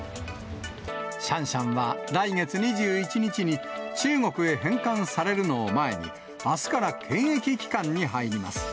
シャンシャンは、来月２１日に中国へ返還されるのを前にあすから検疫期間に入ります。